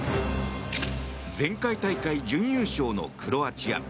前回大会準優勝のクロアチア。